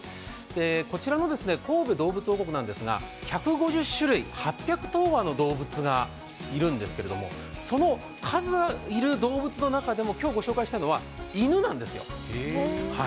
こちらの神戸どうぶつ王国なんですが、１５０種類、８００頭羽の動物がいるんですけどその数いる動物の中でも、今日ご紹介したいのは犬なんですよ。